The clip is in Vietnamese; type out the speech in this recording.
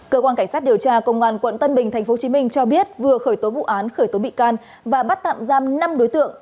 cơ quan cảnh sát điều tra công an quận tân bình tp hcm cho biết vừa khởi tố vụ án khởi tố bị can và bắt tạm giam năm đối tượng